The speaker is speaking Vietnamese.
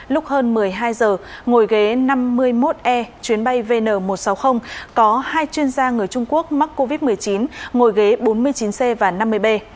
lúc hơn một mươi hai giờ ngồi ghế năm mươi một e chuyến bay vn một trăm sáu mươi có hai chuyên gia người trung quốc mắc covid một mươi chín ngồi ghế bốn mươi chín c và năm mươi b